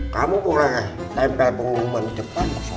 kamu kurangnya tembel pengumuman jepang mas om